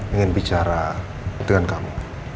ingin bicara dengan kamu